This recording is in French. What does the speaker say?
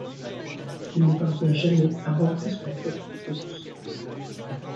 Il ne parvient jamais à rentrer sur la tête de course.